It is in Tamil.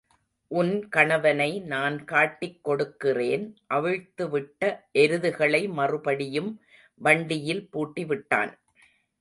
உன் கணவனை நான் காட்டிக் கொடுக்கிறேன் அவிழ்த்துவிட்ட எருதுகளை மறுபடியும் வண்டியில் பூட்டி விட்டான்.